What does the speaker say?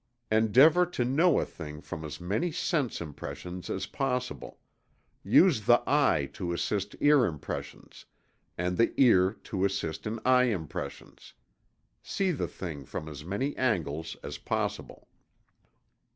Endeavor to know a thing from as many sense impressions as possible use the eye to assist ear impressions; and the ear to assist in eye impressions. See the thing from as many angles as possible.